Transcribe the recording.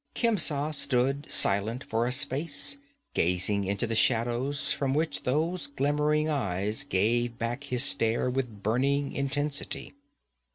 Khemsa stood silent for a space, gazing into the shadows from which those glimmering eyes gave back his stare with burning intensity.